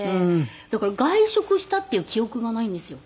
だから外食したっていう記憶がないんですよ